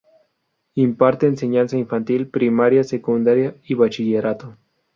Imparte enseñanza infantil, primaria, secundaria y bachillerato.